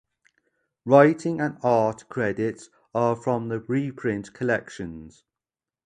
Writing and art credits are from the reprint collections.